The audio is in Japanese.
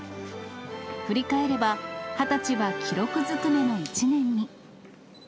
振り返れば２０歳は記録ずくめの１年に。